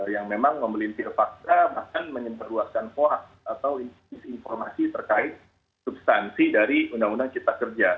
yang memang memelintir fakta bahkan menyeberluaskan forax atau informasi terkait substansi dari undang undang cipta kerja